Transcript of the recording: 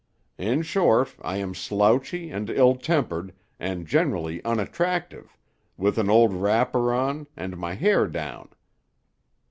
In short, I am slouchy, and ill tempered, and generally unattractive, with an old wrapper on, and my hair down.